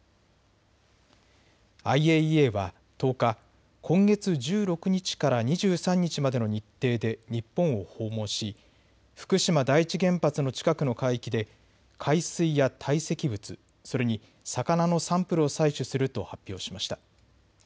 ＩＡＥＡは１０日、今月１６日から２３日までの日程で日本を訪問し福島第一原発の近くの海域で海水や堆積物、それに魚のサンプルを採取すると発表しました。